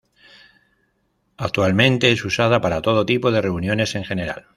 Actualmente es usada para todo tipo de reuniones en general.